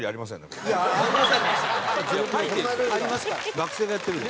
学生がやってるんで。